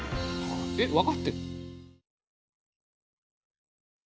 えっわかってる？